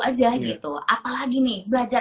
aja gitu apalagi nih belajar